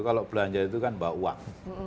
kalau belanja itu kan bawa uang